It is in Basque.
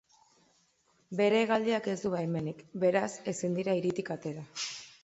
Bere hegaldiak ez du baimenik, beraz ezin dira hiritik atera.